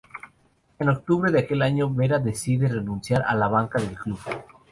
En octubre de aquel año Vera decide renunciar a la banca del club.